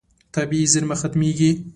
طبیعي زیرمه ختمېږي.